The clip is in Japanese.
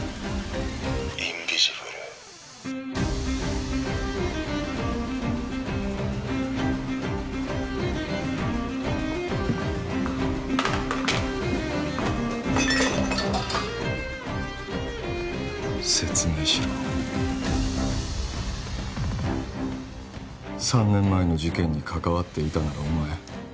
インビジブル説明しろ３年前の事件に関わっていたならお前